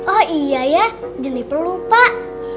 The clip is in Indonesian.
oh iya ya jangan diperlukan pak